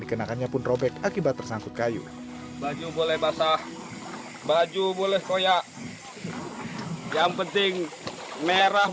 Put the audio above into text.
dikenakannya pun robek akibat tersangkut kayu baju boleh basah baju boleh koyak yang penting merah